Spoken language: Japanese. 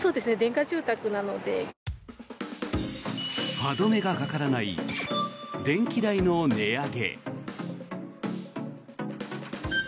歯止めがかからない電気代の値上げ。